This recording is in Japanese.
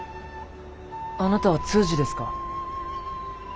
あなたは通詞ですか？